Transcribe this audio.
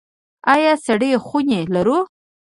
آیا سړې خونې لرو؟